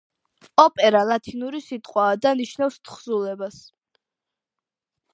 ოპერა ლათინური სიტყვაა და ნიშნავს თხზულებას.